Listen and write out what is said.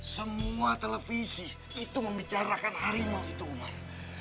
semua televisi itu membicarakan harimau itu umat